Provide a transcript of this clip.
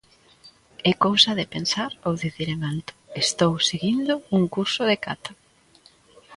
É cousa de pensar ou dicir en alto: estou seguindo un curso de cata.